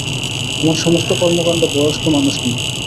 আমার সমস্ত কর্মকাণ্ড বয়স্ক মানুষ নিয়ে।